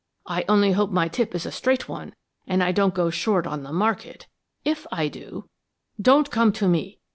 I only hope my tip is a straight one and I don't go short on the market. If I do ' "'Don't come to me!